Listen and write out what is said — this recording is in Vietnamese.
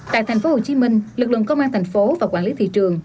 tại thành phố hồ chí minh lực lượng công an thành phố và quản lý thị trường